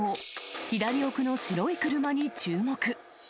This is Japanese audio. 左奥の白い車に注目。